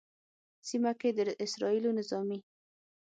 سیمه کې د اسرائیلو نظامي